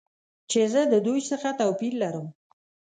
چې زه د دوی څخه توپیر لرم.